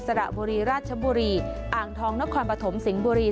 สระบุรีราชบุรีอ่างทองนครปฐมสิงห์บุรี